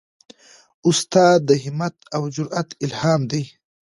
استاد د همت او جرئت الهام دی.